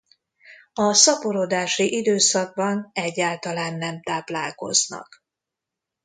A szaporodási időszakban egyáltalán nem táplálkoznak.